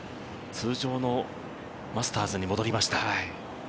通常のマスターズに戻りました。